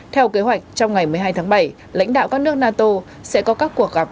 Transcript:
theo kế hoạch trong ngày một mươi hai tháng bảy lãnh đạo các nước nato sẽ có các cuộc gặp